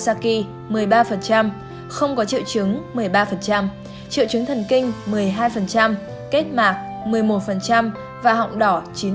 đau cơ tuy nhiên trẻ thường không có triệu chứng một mươi ba không có triệu chứng một mươi ba triệu chứng thần kinh một mươi hai kết mạc một mươi một và họng đỏ chín